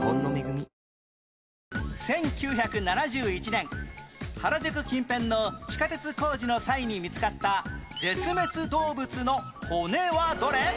１９７１年原宿近辺の地下鉄工事の際に見つかった絶滅動物の骨はどれ？